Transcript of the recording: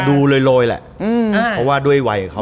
แต่ดูโรยแหละเพราะว่าด้วยวัยเขานะ